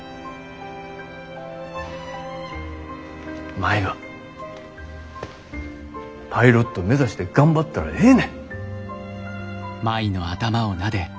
舞はパイロット目指して頑張ったらええね。